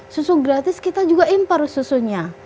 susu gratis kita juga impor susunya